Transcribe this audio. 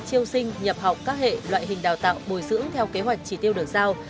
triêu sinh nhập học các hệ loại hình đào tạo bồi dưỡng theo kế hoạch chỉ tiêu được giao